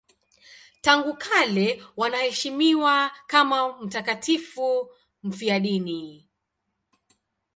Tangu kale wanaheshimiwa kama mtakatifu mfiadini.